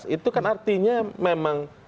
itu kan artinya memang